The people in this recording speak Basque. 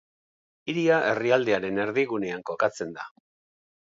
Hiria herrialdearen erdigunean kokatzen da.